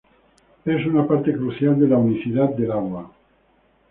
Es una parte crucial de la unicidad del agua.